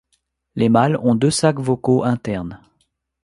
Les mâles ont deux sacs vocaux internes.